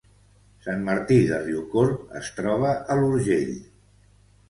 Sant Martí de Riucorb es troba a l’Urgell